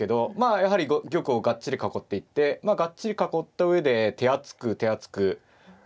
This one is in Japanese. やはり玉をがっちり囲っていってがっちり囲ったうえで手厚く手厚くま